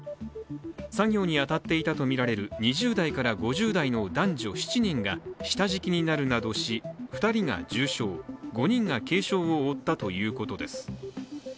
作業に当たっていたとみられる２０代から５０代の男女７人が下敷きになるなどし２人が重傷、５人が軽傷を負ったということです。